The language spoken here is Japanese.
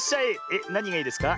えっなにがいいですか？